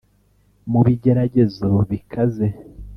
mu bigeragezo bikaze